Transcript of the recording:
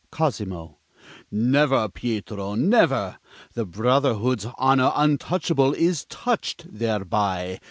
Cosimo: Never, Pietro, never! The Brotherhood's honor untouchable Is touch'd thereby.